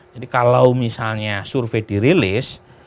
jadi kalau misalnya survei dirilis